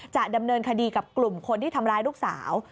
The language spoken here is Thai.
จะดำเนินคดีกับกลุ่มคนที่ทำร้ายลูกสาว